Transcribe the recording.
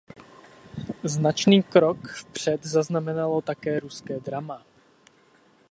Značný krok vpřed zaznamenalo také ruské drama.